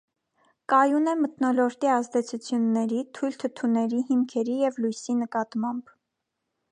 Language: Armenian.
Կայուն է մթնոլորտի ազդեցությունների, թույլ թթուների, հիմքերի և լույսի նկատմամբ։